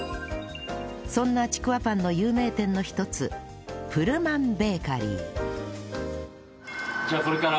そんなちくわパンの有名店の一つプルマンベーカリー